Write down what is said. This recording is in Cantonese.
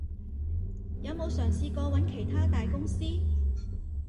有冇嘗試過揾其它大公司？